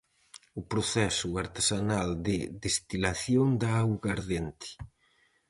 O proceso artesanal de destilación da augardente.